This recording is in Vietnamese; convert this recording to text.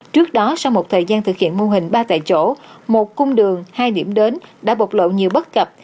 trước đó sau một thời gian thực hiện mô hình ba tại chỗ một cung đường hai điểm đến đã bộc lộ nhiều bất cập